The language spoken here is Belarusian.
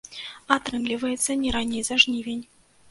Атрымліваецца, не раней за жнівень.